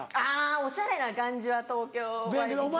おしゃれな感じは東京が一番。